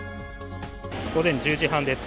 午前１０時半です。